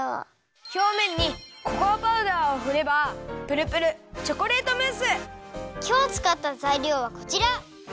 ひょうめんにココアパウダーをふればきょうつかったざいりょうはこちら。